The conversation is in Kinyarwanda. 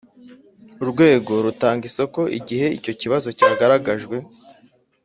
Urwego rutanga isoko igihe icyo kibazo cyagaragajwe